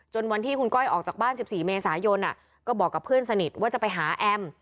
วันที่คุณก้อยออกจากบ้าน๑๔เมษายนก็บอกกับเพื่อนสนิทว่าจะไปหาแอม